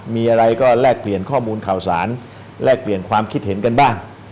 มีอะไรก็แลกเปลี่ยนข้อมูลข่าวสารแลกเปลี่ยนความคิดเห็นกันบ้าง